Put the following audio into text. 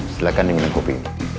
silahkan diminum kopi